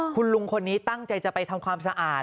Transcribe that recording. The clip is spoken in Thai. คุณลุงคนนี้ตั้งใจจะไปทำความสะอาด